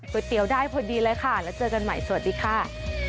เตี๋ยวได้พอดีเลยค่ะแล้วเจอกันใหม่สวัสดีค่ะ